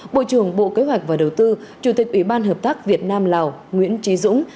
bộ trưởng bộ kế hoạch và đầu tư chủ tịch ủy ban hợp tác việt nam lào nguyễn trí dũng